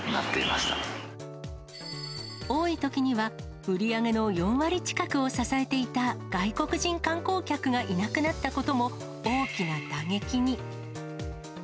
多いときには、売り上げの４割近くを支えていた外国人観光客がいなくなったことも、大きな打撃に。